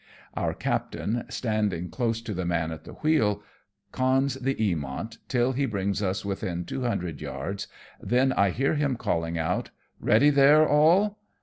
Our captain, standing close to the man at the wheel, conns the Eamont till he brings us within two hundred yards, then I hear him calling out, " Ready there, all?"